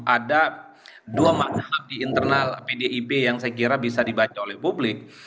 ada dua madhab di internal pdip yang saya kira bisa dibaca oleh publik